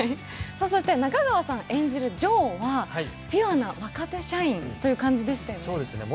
中川さん演じる城はピュアな若手社員という感じでしたね。